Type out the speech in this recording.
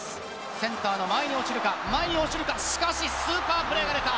センターの前に落ちるか、前に落ちるか、しかし、スーパープレーが出た！